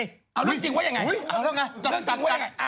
เอาเรื่องจริงว่ายังไงเรื่องจริงว่ายังไง